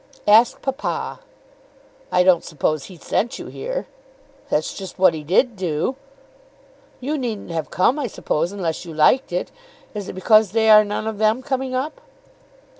"Ask papa." "I don't suppose he sent you here?" "That's just what he did do." "You needn't have come, I suppose, unless you liked it. Is it because they are none of them coming up?"